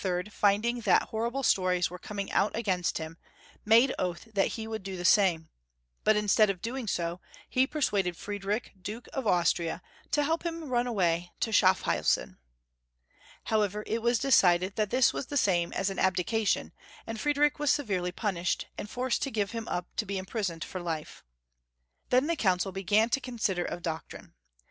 finding that hoiTible stories were coming out against him, made oath that he would do the same, but instead of doing so, he persuaded Friedrich, Duke of Aus tria, to help him run away to Schaffhausen. How ever, it was decided that this was the same as an abdication, and Friedrich was severely pimished, and forced to give him up to be imprisoned for life. Then the Council began to consider of doctrine.